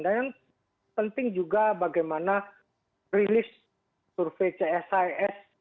dan yang penting juga bagaimana rilis survei csis